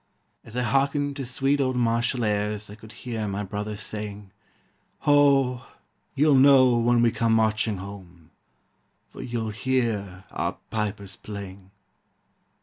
As I hearkened to sweet old martial airs I could hear my brother saying: "Ho! you'll know when we come marching home, For you'll hear our pipers playing."